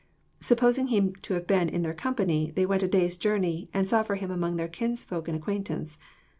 Sup posing Him to have been in their company, they went a day's Journey, and sought Him among their kinsfolk and acquaint ance."